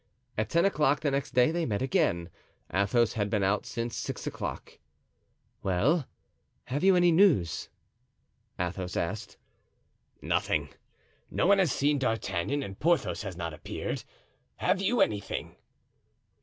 At ten o'clock the next day they met again. Athos had been out since six o'clock. "Well, have you any news?" Athos asked. "Nothing. No one has seen D'Artagnan and Porthos has not appeared. Have you anything?"